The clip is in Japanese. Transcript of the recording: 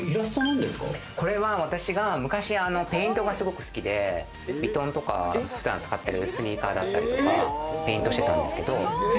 これは私が昔、ペイントがすごく好きで、ヴィトンとか、普段使っているスニーカーだったりとか、ペイントしてたんですけど。